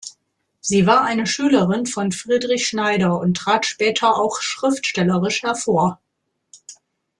Sie war eine Schülerin von Friedrich Schneider und trat später auch schriftstellerisch hervor.